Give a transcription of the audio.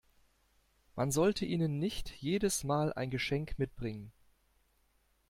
Man sollte ihnen nicht jedes Mal ein Geschenk mitbringen.